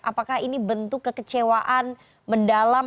apakah ini bentuk kekecewaan mendalam